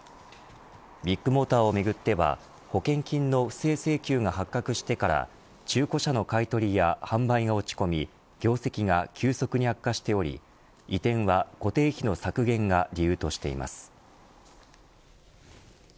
ビッグモーターをめぐっては保険金の不正請求が発覚してから中古車の買い取りや販売が落ち込み業績が急速に悪化しており移転は固定費の削減が理由としています。